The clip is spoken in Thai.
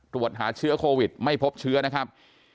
ตรวจหาเชื้อโควิดไม่พบเชื้อนะครับ